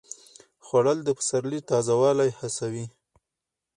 خوړل د پسرلي تازه والی حسوي